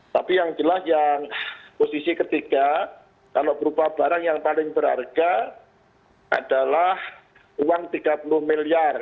tapi yang jelas yang posisi ketiga kalau berupa barang yang paling berharga adalah uang rp tiga puluh miliar